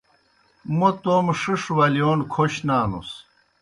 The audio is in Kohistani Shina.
موں توموْ ݜِݜ ولِیون کھوش نانُس۔